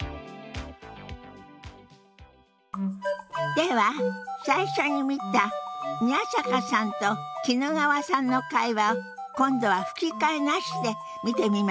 では最初に見た宮坂さんと衣川さんの会話を今度は吹き替えなしで見てみましょう。